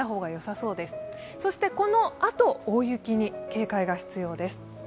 そしてこのあと大雪に警戒が必要です。